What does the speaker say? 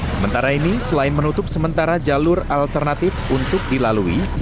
sementara ini selain menutup sementara jalur alternatif untuk dilalui